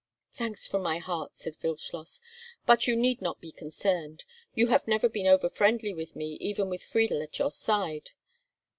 "Thanks from my heart," said Wildschloss, "but you need not be concerned. You have never been over friendly with me even with Friedel at your side.